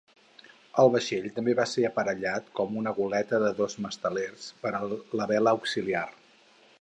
El vaixell també va ser aparellat com una goleta de dos mastelers per a la vela auxiliar.